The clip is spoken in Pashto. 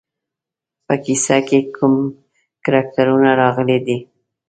په کیسه کې کوم کرکټرونه راغلي دي.